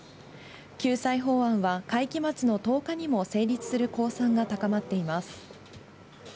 救済法案は会期末の１０日にも成立する公算が高まっています。